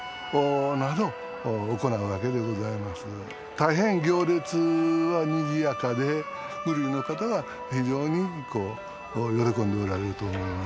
大変行列はにぎやかで庫裏の方は非常に喜んでおられると思います。